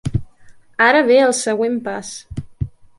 Ara ve el següent pas.